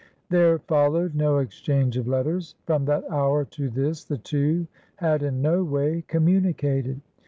There followed no exchange of letters. From that hour to this the two had in no way communicated.